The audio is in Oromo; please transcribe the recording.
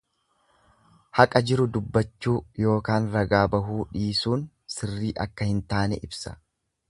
Haqa jiru dubbachuu ykn ragaa bahuu dhiisuun sirrii akka hin taane ibsa.